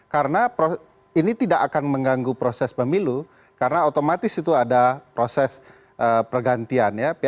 karena ini tidak akan mengganggu proses pemilu karena otomatis itu ada proses pergantian ya